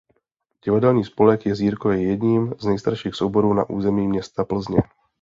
Divadelní spolek Jezírko je jedním z nejstarších souborů na území města Plzně.